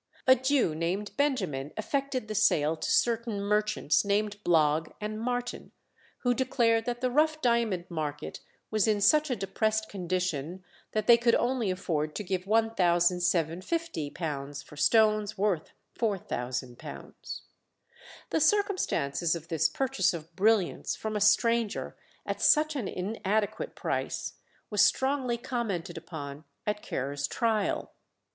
A Jew named Benjamin effected the sale to certain merchants named Blogg and Martin, who declared that the rough diamond market was in such a depressed condition that they could only afford to give £1750 for stones worth £4000. The circumstances of this purchase of brilliants from a stranger at such an inadequate price was strongly commented upon at Ker's trial.